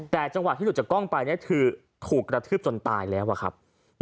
แต่จังหวะที่หลุดจากกล้องไปคือถูกกระทืบจนตายแล้วอะครับ